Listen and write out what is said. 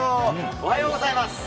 おはようございます。